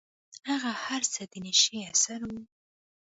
هغه هر څه د نيشې اثر و.